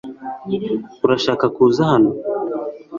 urashaka kuza hano